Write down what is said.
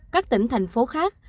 các tỉnh thành phố khác